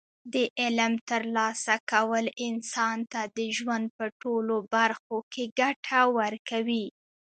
د علم ترلاسه کول انسان ته د ژوند په ټولو برخو کې ګټه ورکوي.